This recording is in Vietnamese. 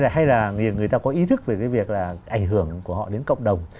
hay là người ta có ý thức về cái việc là ảnh hưởng của họ đến cộng đồng